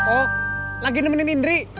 oh lagi nemenin indri